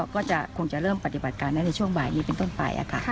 ก็คงจะเริ่มปฏิบัติการได้ในช่วงบ่ายนี้เป็นต้นไป